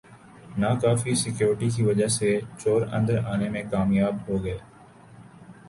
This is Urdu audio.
ناکافی سیکورٹی کی وجہ سےچور اندر آنے میں کامیاب ہوگئے